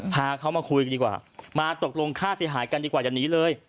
พาเขามาคุยกันดีกว่ามาตกลงค่าเสียหายกันดีกว่าอย่าหนีเลย